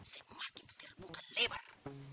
semakin terbuka lebar